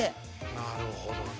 なるほどな。